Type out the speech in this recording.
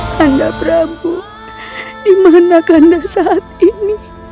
kanda prabu di mana kanda saat ini